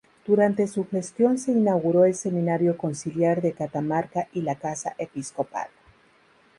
Durante su gestión se inauguró el seminario conciliar de Catamarca y la Casa Episcopal.